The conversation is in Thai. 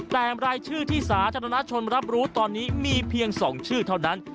แต่รายชื่อที่สาธารณชนรับรู้ตอนนี้มีเพียง๒ชื่อเท่านั้น